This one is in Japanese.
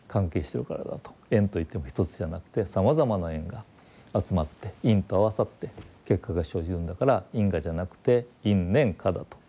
縁といっても一つじゃなくてさまざまな縁が集まって因と合わさって結果が生じるんだから因果じゃなくて因縁果だと。